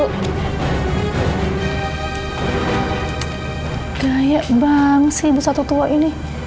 udah ya bang si ibu satu tua ini